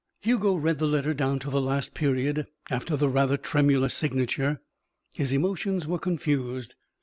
Hugo read the letter down to the last period after the rather tremulous signature. His emotions were confused.